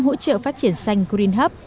hỗ trợ phát triển xanh green hub